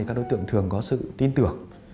các đối tượng thường có sự tin tưởng